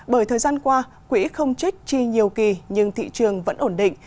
bởi thời gian qua quỹ không trích chi nhiều kỳ nhưng thị trường vẫn ổn định